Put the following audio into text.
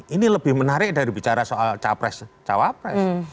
ini lebih menarik dari bicara soal capres cawapres